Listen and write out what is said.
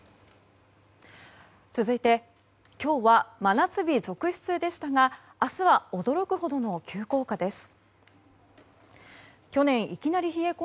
続いて、今日は真夏日続出でしたが明日は、驚くほどの急降下です。